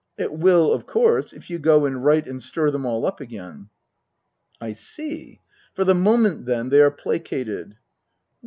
It will, of course, if you go and write and stir them all up again." " I see. For the moment, then, they are placated